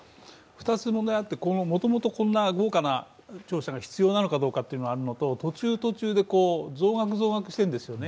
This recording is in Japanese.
２つ問題があってもともとこんな豪華な庁舎が必要なのかどうかというのがあると、途中途中で増額、増額してるんですよね。